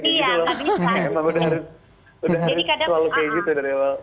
emang udah harus udah harus selalu kayak gitu dari awal